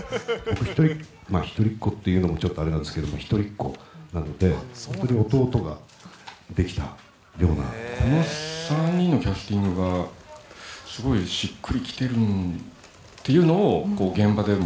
僕、一人っ子っていうのもちょっとあれなんですけど、一人っ子なので、この３人のキャスティングが、すごいしっくりきてるというのを、現場でも。